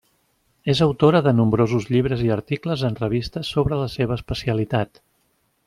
És autora de nombrosos llibres i articles en revistes sobre la seva especialitat.